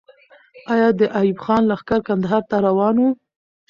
آیا د ایوب خان لښکر کندهار ته روان وو؟